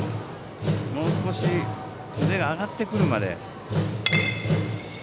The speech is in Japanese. もう少し腕が上がってくるまで。